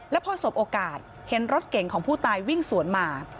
แล้วพอสบโอกาสเห็นรถเก่งของผู้ตายวิ่งสวนมา